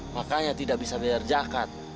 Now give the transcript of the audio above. makanya tidak bisa bayar zakat